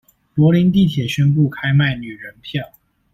柏林地鐵宣布開賣女人票